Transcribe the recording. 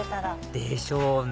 でしょうね